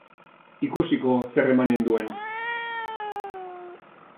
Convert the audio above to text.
Ikusiko zer emanen duen!